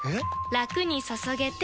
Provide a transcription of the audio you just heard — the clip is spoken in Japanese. ラクに注げてペコ！